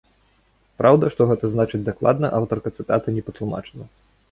Праўда, што гэта значыць дакладна, аўтарка цытаты не патлумачыла.